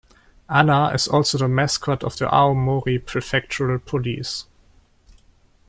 Anna is also the mascot of the Aomori prefectural police.